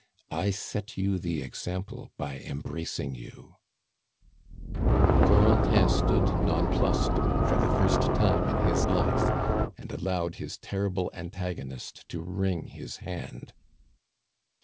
"I set you the example by embracing you " Corentin stood nonplussed for the first time in his life, and allowed his terrible antagonist to wring his hand.